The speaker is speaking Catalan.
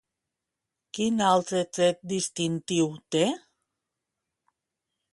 Quin altre tret distintiu té?